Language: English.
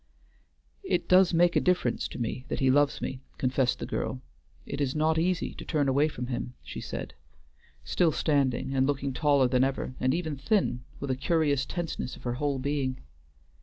"It does make a difference to me that he loves me," confessed the girl. "It is not easy to turn away from him," she said, still standing, and looking taller than ever, and even thin, with a curious tenseness of her whole being.